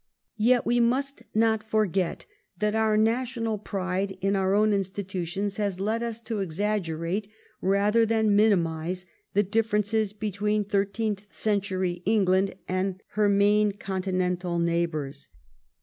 Yet Ave must not forget that our national pride in our own institutions has led us to exaggerate rather than minimise the differences betAveen thirteenth century England and her main continental neighbours.